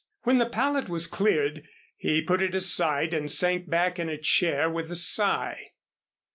When the palette was cleared he put it aside and sank back in a chair with a sigh.